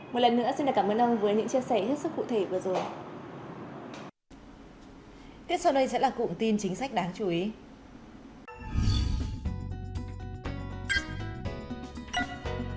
một lần nữa xin cảm ơn ông với những chia sẻ rất cụ thể vừa rồi